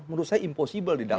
menurut saya impossible didapat